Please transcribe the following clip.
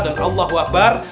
dan allahu akbar